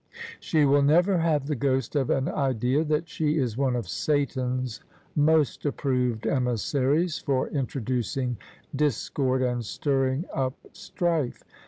She will never have the ghost of an idea that she is one of Satan's most approved emissaries for introducing discord and stirring up strife.